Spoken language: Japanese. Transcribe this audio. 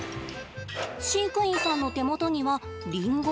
飼育員さんの手元にはリンゴ。